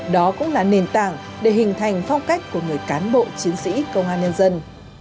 đó cũng là nền tảng để hình thành phong cách của người cán bộ chiến sĩ công an nhân dân